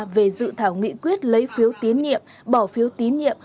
về dự thảo nghị quyết lấy phiếu tín nhiệm bỏ phiếu tín nhiệm